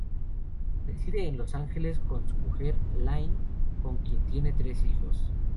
Reside en Los Ángeles con su mujer, Lynne con quien tiene tres hijos.